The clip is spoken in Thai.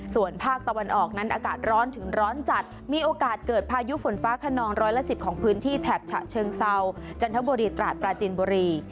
ส่วนภาคตะวันออกนั้นอากาศร้อนถึงร้อนจัดมีโอกาสเกิดพายุฝนฟ้าขนองร้อยละ๑๐ของพื้นที่แถบฉะเชิงเซาจันทบุรีตราดปราจินบุรี